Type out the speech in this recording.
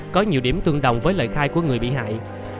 có nhiều điểm tương đồng với lời khai của người bị hại